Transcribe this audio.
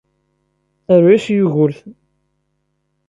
Aru-yas i Yugurten!